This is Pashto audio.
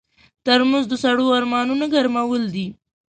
ترموز د سړو ارمانونو ګرمول دي.